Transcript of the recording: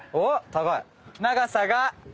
高い。